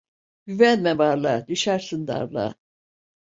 Güvenme varlığa, düşersin darlığa.